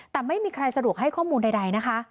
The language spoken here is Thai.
แต่ไม่มีใครสะดวกให้ข้อมูลใดนะคะ